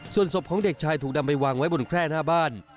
ส่วนศพของเด็กชายถูกนำไปวางไว้บนแคร่หน้าบ้าน